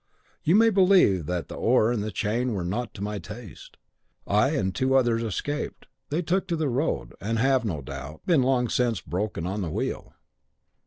You may believe that the oar and the chain were not to my taste. I and two others escaped; they took to the road, and have, no doubt, been long since broken on the wheel.